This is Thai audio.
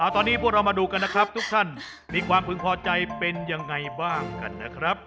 ตอนนี้พวกเรามาดูกันนะครับทุกท่านมีความพึงพอใจเป็นยังไงบ้างกันนะครับ